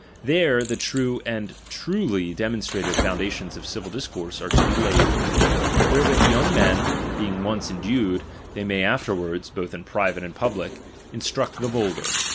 There the true and truly demonstrated foundations of civil doctrine are to be laid ; wherewith young men, being once en dued, they may afterward, both in private and public, instruct the vulgar.